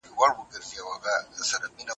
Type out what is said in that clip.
ولسمشر د سولې پروسې ته ژمن دی.